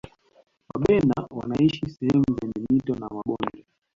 wabena wanaishi sehemu zenye mito na mabonde